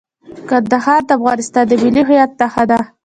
کندهار د افغانستان د ملي هویت نښه ده.